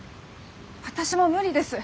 私も無理です。